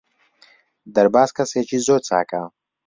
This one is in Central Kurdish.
دەرباز کەسێکی زۆر چاکە.